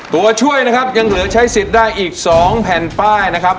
ตัวช่วยนะครับยังเหลือใช้สิทธิ์ได้อีก๒แผ่นป้ายนะครับ